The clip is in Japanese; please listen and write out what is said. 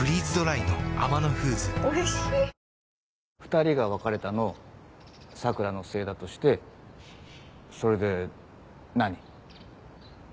２人が別れたの佐倉のせいだとしてそれで何？